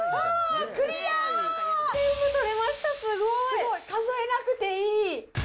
すごい、数えなくていい。